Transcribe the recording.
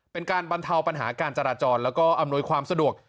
เป็นการบรรเทาปัญหาการจราจรแล้วก็อำนวยความสะดวก